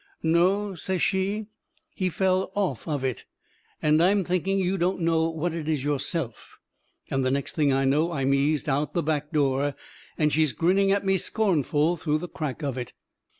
"No," says she, "he fell off of it. And I'm thinking you don't know what it is yourself." And the next thing I know I'm eased out o' the back door and she's grinning at me scornful through the crack of it.